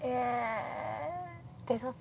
デザート？